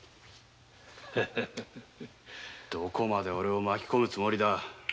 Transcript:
どこまでオレを巻き込むつもりだ。